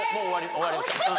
終わりました。